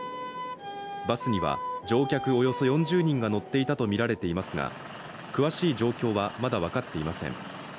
バスには乗客およそ４０人が乗っていたとみられていますが詳しい状況は、まだ分かっていません。